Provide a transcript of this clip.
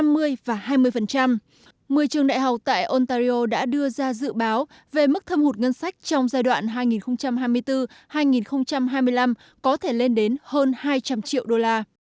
một mươi trường đại học tại ontario đã đưa ra dự báo về mức thâm hụt ngân sách trong giai đoạn hai nghìn hai mươi bốn hai nghìn hai mươi năm có thể lên đến hơn hai trăm linh triệu đô la